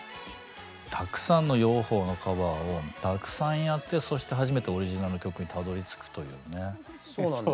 たくさんの洋邦のカバーをたくさんやってそして初めてオリジナルの曲にたどりつくというね。